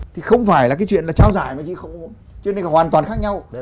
thì không phải là cái chuyện là trao giải mà chị không muốn chứ đây là hoàn toàn khác nhau